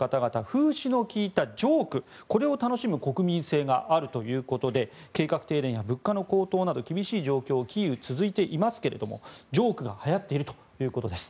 風刺の利いたジョークこれを楽しむ国民性があるということで計画停電や物価の高騰など厳しい状況がキーウ、続いていますがジョークがはやっているということです。